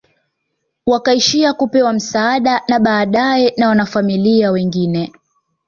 Wakaishia kupewa msaada baadae na wanafamilia wengine